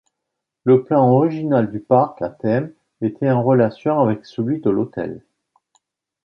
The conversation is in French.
Le plan original du parc à thème était en relation avec celui de l'hôtel.